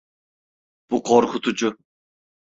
Bu korkutucu.